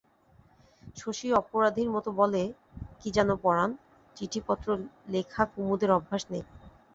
শশী অপরাধীর মতো বলে, কী জানো পরাণ, চিঠিপত্র লেখা কুমুদের অভ্যাস নেই।